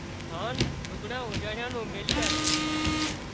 هانَ لگھڙ اوڏاڙيا نُون ميلي آليون